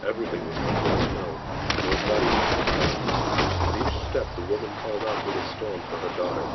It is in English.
Everything was covered with snow; there was not even a foot path. At each step the woman called out through the storm for her daughter.